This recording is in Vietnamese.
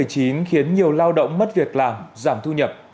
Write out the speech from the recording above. khiến nhiều lao động mất việc làm giảm thu nhập